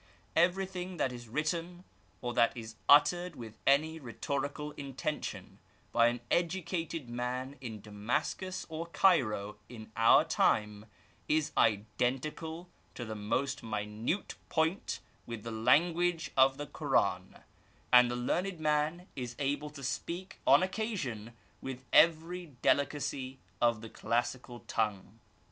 Everything that is written or that is uttered with any rhetorical intention by an educated man in Damascus or Cairo in our time is identical to the most minute point with the language of the Koran, and the learned man is able to speak on occasion with every delicacy of the classic tongue.